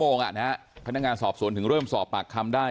เมื่อ๒ชั่วโมงนะครับพนักงานสอบสวนถึงเริ่มสอบปากคำได้